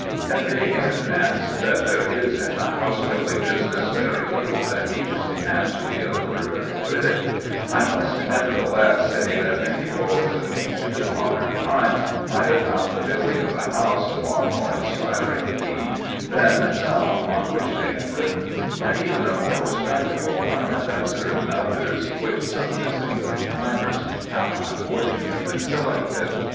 Admitting in advance that there is in the house building business very little that teaches a man to be a literary critic, I must nevertheless say that many poets of ancient and modern times might have found the building of a house a far more inspiring theme than some upon which they have written, and even a more respectable one than certain others which some distinguished rhymers have unfortunately selected.